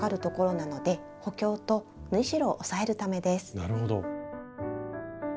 なるほど。